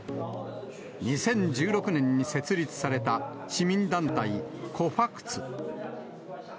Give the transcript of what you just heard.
２０１６年に設立された市民団体コ・ファクツ。